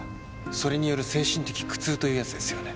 それによる精神的苦痛というやつですよね？